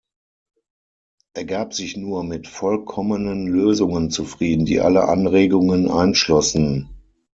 Er gab sich nur mit vollkommenen Lösungen zufrieden, die alle Anregungen einschlossen.